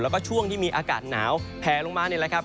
แล้วก็ช่วงที่มีอากาศหนาวแผลลงมานี่แหละครับ